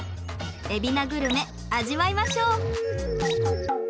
海老名グルメ味わいましょう。